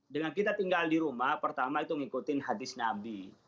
dengan kita tinggal di rumah pertama itu ngikutin hadis nabi